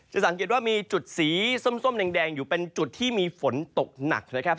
จะสังเกตว่ามีจุดสีส้มแดงอยู่เป็นจุดที่มีฝนตกหนักนะครับ